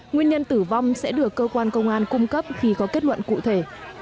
nguyên nhân tử vong sẽ được cơ quan công an cung cấp khi có kết luận cụ thể